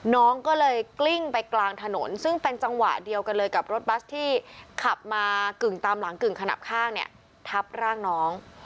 น้องก็เลยกลิ้งไปกลางถนนซึ่งเป็นจังหวะเดียวกันเลยกับรถบัสที่ขับมากึ่งตามหลังกึ่งขนับข้างเนี่ยทับร่างน้อง